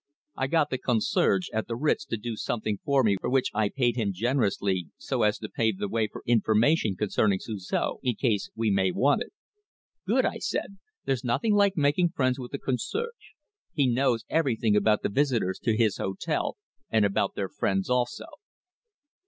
I got the concierge at the Ritz to do something for me for which I paid him generously, so as to pave the way for information concerning Suzor, in case we may want it." "Good," I said. "There's nothing like making friends with a concierge. He knows everything about the visitors to his hotel, and about their friends also."